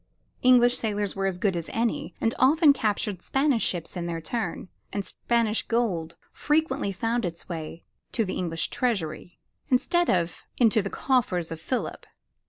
English sailors were as good as any, and often captured Spanish ships in their turn; and Spanish gold frequently found its way to the English treasury, instead of into the coffers of Philip.